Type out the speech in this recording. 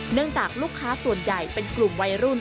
เนื่องจากลูกค้าส่วนใหญ่เป็นกลุ่มวัยรุ่น